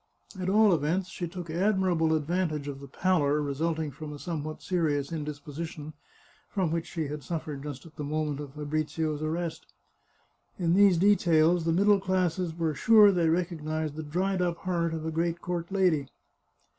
At all events she took admirable advantage of the pallor resulting from a somewhat serious indisposi tion, from which she had suffered just at the moment of Fabrizio's arrest. In these details the middle classes were sure they recognised the dried up heart of a great court lady.